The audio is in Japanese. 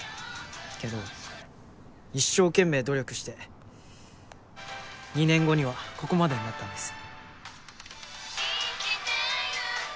けど一生懸命努力して２年後にはここまでになったんです。